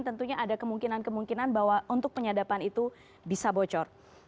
tentunya ada kemungkinan kemungkinan bahwa untuk penyadapan itu bisa bocor